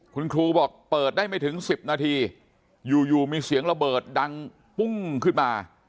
คุณครูบอกเปิดได้ไม่ถึง๑๐นาทีอยู่มีเสียงระเบิดดังปุ้งขึ้นมา